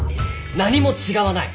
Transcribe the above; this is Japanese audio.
何も違わない。